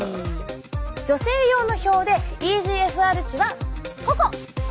女性用の表でｅＧＦＲ値はここ！